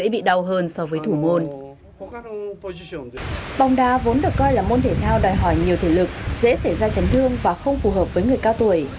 bóng đá vốn được coi là môn thể thao đòi hỏi nhiều thể lực dễ xảy ra chấn thương và không phù hợp với người cao tuổi